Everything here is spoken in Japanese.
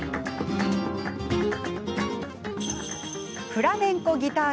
フラメンコギター